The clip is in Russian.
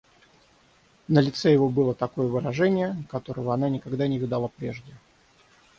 На лице его было такое выражение, которого она никогда не видала прежде.